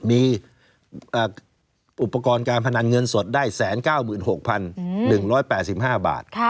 มีอุปกรณ์การพนันเงินสดได้๑๙๖๑๘๕บาท